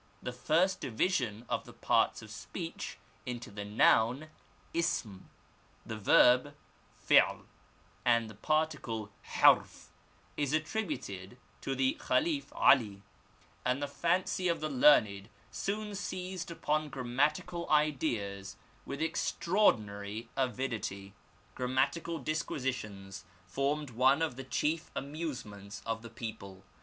The first division of the parts of speech into the noun ism, the verb faly and the particle haTf, is attributed to the Khalif Ali, and the fancy of the learned soon seized upon grammatical ideas with extraordinary avidity. Grammatical disquisitions formed one of the chief amusements of the people.